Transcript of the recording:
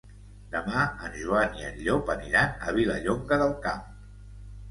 Demà en Joan i en Llop aniran a Vilallonga del Camp.